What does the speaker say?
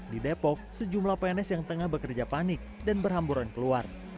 di depok sejumlah pns yang tengah bekerja panik dan berhamburan keluar